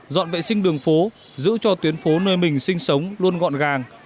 dọn vệ sinh đường phố giữ cho tuyến phố nơi mình sinh sống luôn gọn gàng